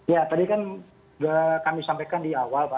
ya tadi kan kami sampaikan di awal pak